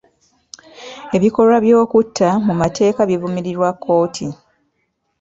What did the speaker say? Ebikolwa by'okutta mu mateeka bivumirirwa kkooti.